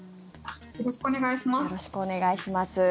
よろしくお願いします。